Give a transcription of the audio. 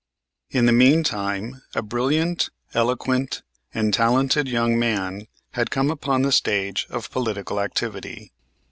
In the meantime a brilliant, eloquent and talented young man had come upon the stage of political activity.